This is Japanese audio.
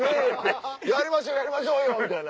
やりましょうやりましょう！みたいな。